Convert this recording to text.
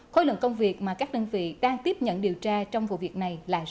khối lượng công việc mà các đơn vị đang tiếp nhận điều tra trong vụ việc này là rõ